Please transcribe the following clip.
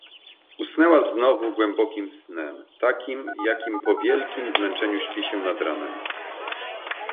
Usnęła znowu, głębokim snem, takim, jakim po wielkim zmęczeniu śpi się nad ranem.